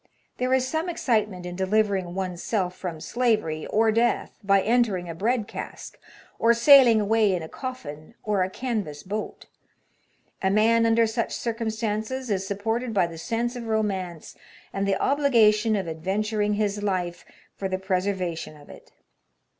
There is some excitement in delivering one's self from slavery or death by entering a bread cask, or sailing away in a coffin, or a canvas boat. A man under such circum stances is supported by the sense of romance, and the obligation of adventuring his life for the preservation of HAZARDOUS VOYAGES, 93 it.